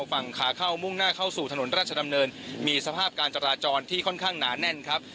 ฝั่งขาเข้ามุ่งหน้าเข้าสู่ถนนราชดำเนินมีสภาพการจราจรที่ค่อนข้างหนาแน่นครับ